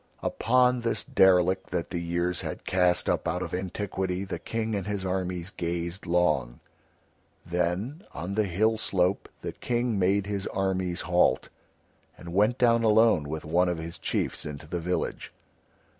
Upon this derelict that the years had cast up out of antiquity the King and his armies gazed long. Then on the hill slope the King made his armies halt, and went down alone with one of his chiefs into the village.